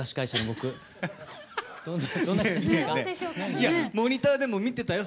いやモニターでも見てたよ